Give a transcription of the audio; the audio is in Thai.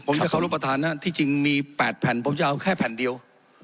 ผมจะเข้ารุปฐานนะที่จริงมีแปดแผ่นผมจะเอาแค่แผ่นเดียว